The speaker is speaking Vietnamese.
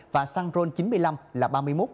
và xăng roll chín mươi năm là